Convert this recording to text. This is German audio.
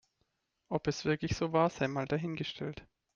Ob es wirklich so war, sei mal dahingestellt.